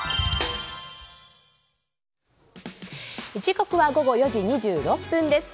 時刻は午後４時２６分です。